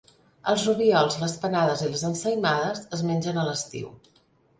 Els rubiols, les panades i les ensaïmades es mengen a l'estiu.